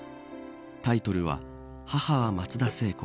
タイトルは、母は松田聖子